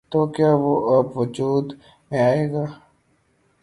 تو کیا وہ اب وجود میں آئے گا؟